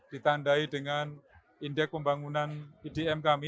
ditandai dengan indeks pembangunan edm kami